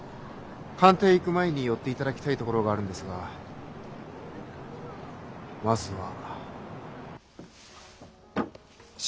官邸へ行く前に寄っていただきたい所があるんですがまずは。